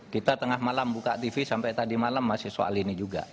kita tengah malam buka tv sampai tadi malam masih soal ini juga